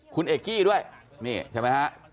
คุณเอกกี้ด้วยนี่ใช่ไหมฮะ